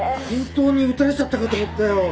本当に撃たれちゃったかと思ったよ。